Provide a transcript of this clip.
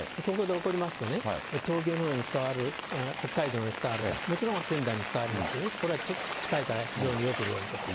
ここで起こりますとね、東京のほうに伝わる、北海道のほうに伝わる、もちろん仙台も伝わりますけれどもね、これは近いから非常によく揺れると。